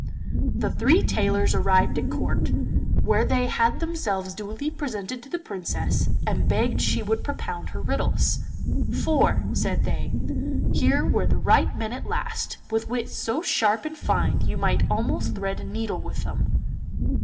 The three tailors arrived at Court, where they had themselves duly presented to the Princess, and begged she would propound her riddles, 'for,' said they, 'here were the right men at last, with wits so sharp and so fine you might almost thread a needle with them.